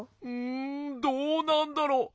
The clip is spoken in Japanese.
んどうなんだろう。